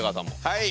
はい。